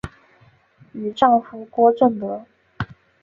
与丈夫郭政德。